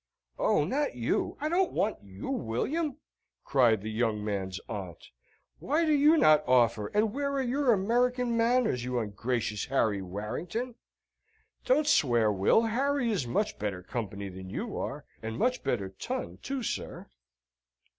"Oh, not you! I don't want you, William," cried the young man's aunt. "Why do not you offer, and where are your American manners, you ungracious Harry Warrington? Don't swear, Will, Harry is much better company than you are, and much better ton too, sir."